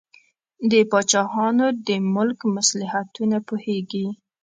د پاچاهانو د ملک مصلحتونه پوهیږي.